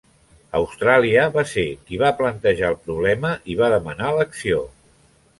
Austràlia va ser qui va plantejar el problema i va demanar l'acció.